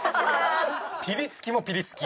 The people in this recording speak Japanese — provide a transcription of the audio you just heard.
ピリつきもピリつき。